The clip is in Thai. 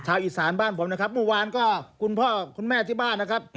อีสานบ้านผมนะครับเมื่อวานก็คุณพ่อคุณแม่ที่บ้านนะครับ